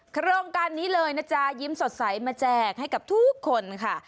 โครงการนี้เลยนะจ๊ะยิ้มสดใสมาแจกให้กับทุกคนค่ะ